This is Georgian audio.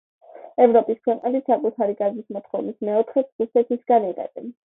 ევროპის ქვეყნები საკუთარი გაზის მოთხოვნის მეოთხედს რუსეთისგან იღებენ.